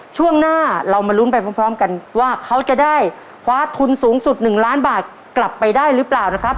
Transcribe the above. ช่วงหน้าเรามาลุ้นไปพร้อมกันว่าเขาจะได้คว้าทุนสูงสุด๑ล้านบาทกลับไปได้หรือเปล่านะครับ